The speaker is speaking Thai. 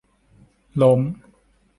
ล้ม